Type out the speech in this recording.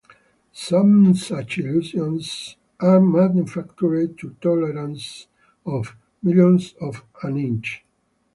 Some such illusions are manufactured to tolerances of millionths of an inch.